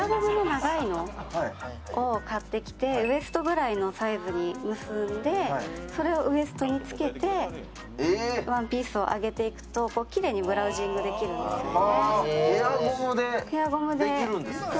ウエストぐらいのサイズに結んで、それをウエストにつけてワンピースを上げていくときれいにブラウジングできるんですね。